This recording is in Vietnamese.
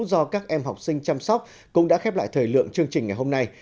do các em học sinh chăm sóc cũng đã khép lại thời lượng chương trình ngày hôm nay